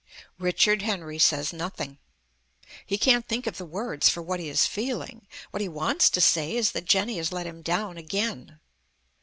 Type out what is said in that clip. Richard Henry says nothing. He can't think of the words for what he is feeling. What he wants to say is that Jenny has let him down again.